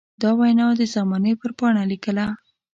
دا وينا د زمانې پر پاڼه ليکله.